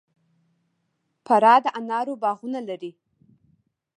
فراه د انارو باغونه لري